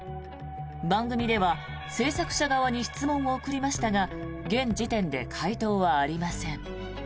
番組では制作者側に質問を送りましたが現時点で回答はありません。